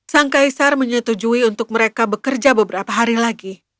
sang kaisar menyetujui untuk mereka bekerja beberapa hari lagi